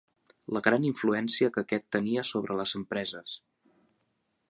La gran influència que aquest tenia sobre les empreses